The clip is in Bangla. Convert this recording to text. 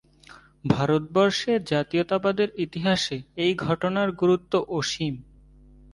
ভারতবর্ষে জাতীয়তাবাদের ইতিহাসে এই ঘটনার গুরুত্ব অসীম।